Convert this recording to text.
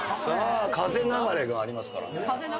さあ「風」流れがありますから。